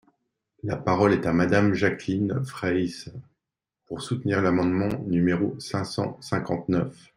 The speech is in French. La parole est à Madame Jacqueline Fraysse, pour soutenir l’amendement numéro cinq cent cinquante-neuf.